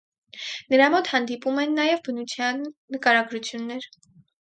Նրա մոտ հանդիպում են նաև բնության նկարագրություններ։